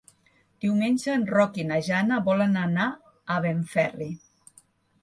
Diumenge en Roc i na Jana volen anar a Benferri.